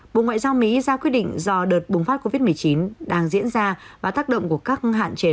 bộ ngoại giao mỹ ra quyết định do đợt bùng phát covid một mươi chín đang diễn ra và tác động của các hạn chế